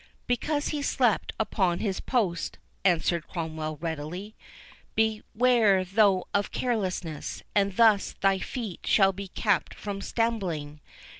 "Because he slept upon his post," answered Cromwell readily. "Beware thou of carelessness, and thus thy feet shall be kept from stumbling.